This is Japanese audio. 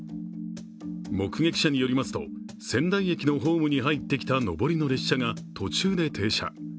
目撃者によりますと、仙台駅のホームに入ってきた上りの列車が途中で停車。